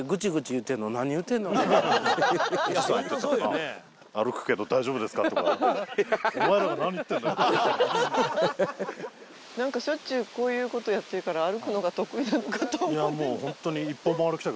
「本当そうよね」なんかしょっちゅうこういう事やってるから歩くのが得意なのかと思ってた。